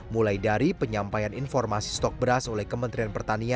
mulai dari penyampaian informasi stok beras oleh kementerian pertanian